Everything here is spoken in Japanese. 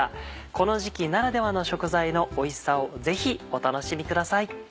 この時期ならではの食材のおいしさをぜひお楽しみください。